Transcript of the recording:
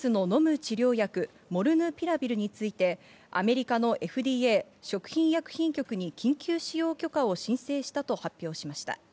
治療薬・モルヌピラビルについて、アメリカのＦＤＡ＝食品医薬品局に緊急使用許可を申請したと発表しました。